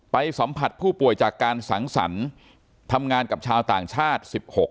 สัมผัสผู้ป่วยจากการสังสรรค์ทำงานกับชาวต่างชาติ๑๖